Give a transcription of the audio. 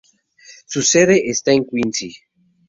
Su sede está en Quincy.